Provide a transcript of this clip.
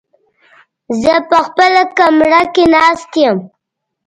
زه په خپله کمره کې ناست يم.